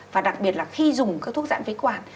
và đặc biệt là khi dùng các thuốc dãn phế quản